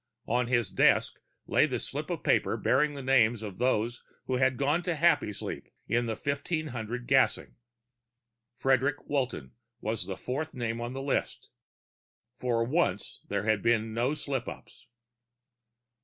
On his desk lay the slip of paper bearing the names of those who had gone to Happysleep in the 1500 gassing. Frederic Walton was the fourth name on the list. For once, there had been no slip ups.